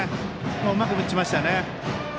うまく打ちましたよね。